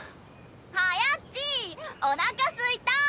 はやっちおなかすいた！